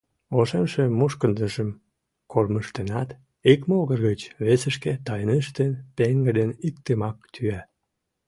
Ошемше мушкындыжым кормыжтенат, ик могыр гыч весышке тайныштын, пеҥгыдын иктымак тӱя: